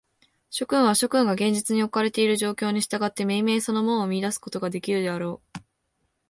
諸君は、諸君が現実におかれている状況に従って、めいめいその門を見出すことができるであろう。